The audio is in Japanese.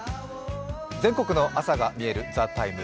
全国の朝が見える「ＴＨＥＴＩＭＥ，」